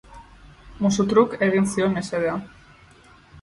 Musu truk egin zion mesedea.